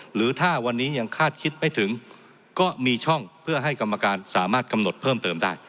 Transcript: หรือถ้าวันนี้ยังคาดคิดไม่ถึงก็มีช่องเพื่อให้กรรมการสามารถกำหนดเพิ่มเติมได้